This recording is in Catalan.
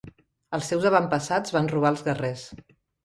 Els seus avantpassats van robar als guerrers.